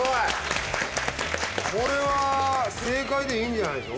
これは正解でいいんじゃないの？